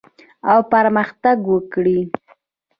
او پرمختګ وکړي.